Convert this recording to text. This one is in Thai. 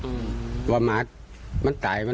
แม่พึ่งจะเอาดอกมะลิมากราบเท้า